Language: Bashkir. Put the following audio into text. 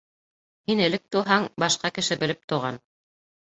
Һин элек тыуһаң, башҡа кеше белеп тыуған.